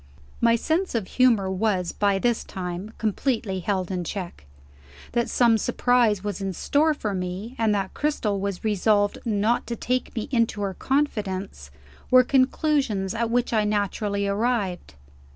My sense of humor was, by this time, completely held in check. That some surprise was in store for me, and that Cristel was resolved not to take me into her confidence, were conclusions at which I naturally arrived.